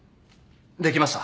できました。